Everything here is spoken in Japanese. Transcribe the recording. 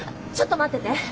ちょっと待ってて。